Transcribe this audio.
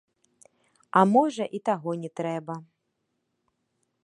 А можа і таго не трэба.